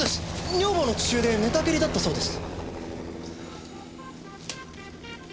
女房の父親で寝たきりだったそうです。